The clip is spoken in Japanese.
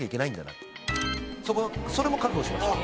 それも覚悟しました。